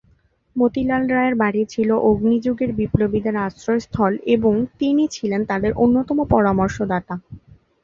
মতিলাল রায়ের বাড়ি ছিল অগ্নিযুগের বিপ্লবীদের আশ্রয়স্থল ও তিনি ছিলেন তাদের অন্যতম পরামর্শদাতা।